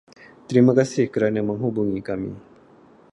Terima kasih kerana menghubungi kami.